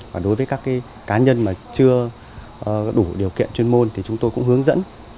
và đối với các cá nhân mà chưa đủ điều kiện chuyên môn thì chúng tôi cũng hướng dẫn